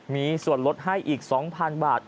มีส่วนลดให้อีก๒๐๐๐บาท